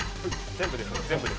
全部で分。